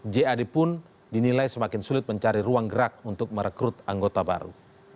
jad pun dinilai semakin sulit mencari ruang gerak untuk merekrut anggota baru